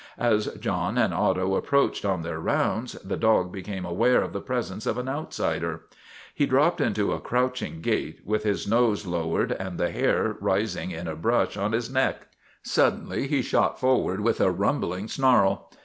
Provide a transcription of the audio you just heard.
As John and Otto approached on their rounds the dog became aware of the presence of an outsider. He dropped into a crouching gait, with his nose low ered and the hair rising in a brush on his neck. STRIKE AT TIVERTON MANOR 137 Suddenly he shot forward with a rumbling snarl.